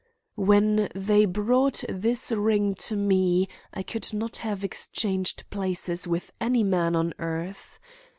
When they brought this ring to me I would not have exchanged places with any man on earth.